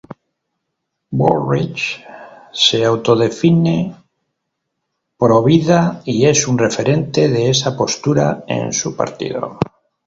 Bullrich se autodefine provida y es un referente de esa postura en su partido.